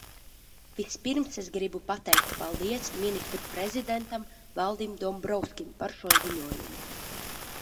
Vispirms es gribu pateikt paldies Ministru prezidentam Valdim Dombrovskim par šo ziņojumu.